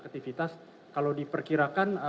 aktivitas kalau diperkirakan